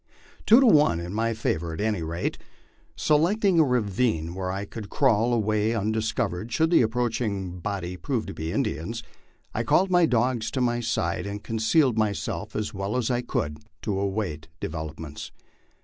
Two to one in my favor at any rate. Select ing a ravine where I could crawl away undiscovered should the approaching body prove to be Indians, I called my dogs to my side and concealed myself as well as I could to await developments.